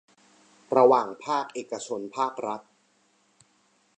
ระหว่างภาคเอกชนภาครัฐ